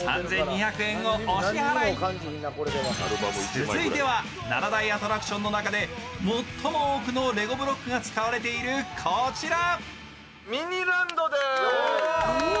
続いては７大アトラクションの中で最も多くのレゴブロックが使われているこちら。